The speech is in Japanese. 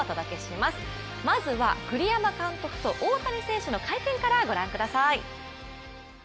まずは、栗山監督と大谷選手の会見からご覧ください。